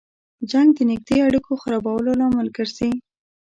جنګ د نږدې اړیکو خرابولو لامل ګرځي.